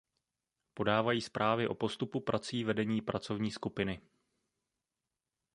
Podávají zprávy o postupu prací vedení Pracovní skupiny.